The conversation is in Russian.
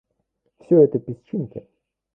Всё это песчинки.